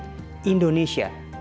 indonesia dan indonesia selalu berharga